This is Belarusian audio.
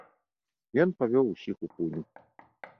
Ён павёў усіх у пуню.